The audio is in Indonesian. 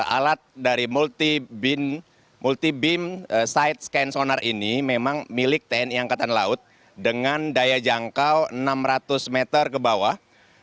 alat dari multi beam side scan sonar ini memang milik tni angkatan laut dengan daya jangkau enam ratus meter ke bawah